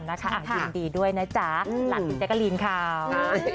ด้วยแล้วกันนะครับยินดีด้วยนะจ๊ะหลักด้วยแจ๊กกะลีนค่าว